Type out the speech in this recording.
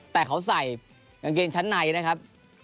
แต่เขาใส่กางเกงชั้นในนะครับ